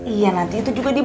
iya nanti itu juga di